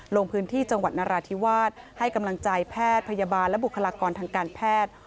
ลงพื้นที่จังหวัดนราธิวาสให้กำลังใจแพทย์พยาบาลและบุคลากรทางการแพทย์